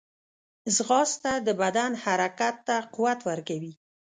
ځغاسته د بدن حرکت ته قوت ورکوي